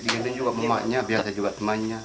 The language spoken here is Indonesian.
dia gendong juga emaknya biasa juga temannya